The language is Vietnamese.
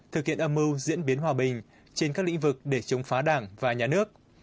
thực hiện âm mưu diễn biến hòa bình trên các lĩnh vực để chống phá đảng và nhà nước